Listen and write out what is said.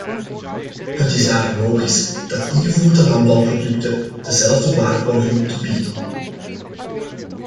Het is daarom logisch dat ingevoerde landbouwproducten dezelfde waarborgen moeten bieden.